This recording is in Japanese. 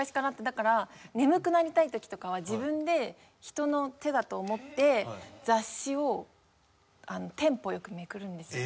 だから眠くなりたい時とかは自分で人の手だと思って雑誌をテンポよくめくるんですよ。